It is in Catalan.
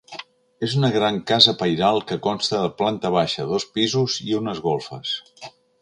És una gran casa pairal que consta de planta baixa, dos pisos i unes golfes.